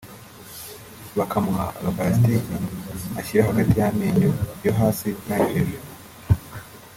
bakamuha agaparasitiki ashyira hagati y’amenyo yo hasi n’ayo hejuru